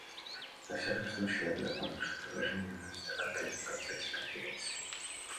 Во всяком случае, я бы напомнил, что предложения вносятся в конкретном контексте Конференции.